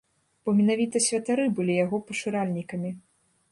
Бо менавіта святары былі яго пашыральнікамі.